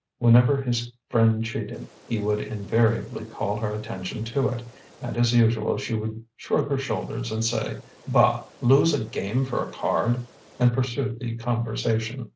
Whenever his friend cheated, he would invariably call her attention to it; and as usual she would shrug her shoulders, and say, "Bah! lose a game for a card!" and pursue the conversation.